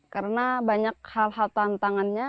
karena banyak hal hal tantangannya